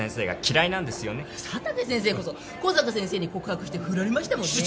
佐竹先生こそ小坂先生に告白して振られましたもんね。